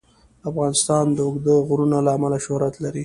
افغانستان د اوږده غرونه له امله شهرت لري.